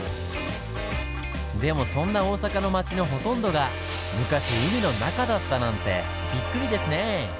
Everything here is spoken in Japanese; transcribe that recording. でもそんな大阪の町のほとんどが昔海の中だったなんてびっくりですねぇ。